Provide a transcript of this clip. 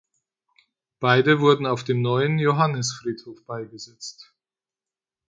Beide wurden auf dem Neuen Johannisfriedhof beigesetzt.